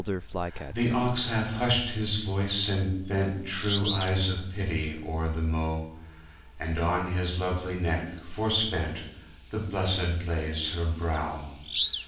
The Ox hath hushed his voyce and bentTrewe eyes of Pitty ore the Mow, And on his lovelie Neck, forspent, The Blessed layes her Browe.